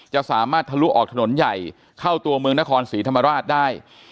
จะสามารถทะลุออกถนนใหญ่เข้าตัวเมืองนครศรีธรรมราชได้